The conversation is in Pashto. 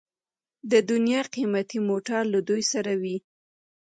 د دنیا قیمتي موټر له دوی سره وي.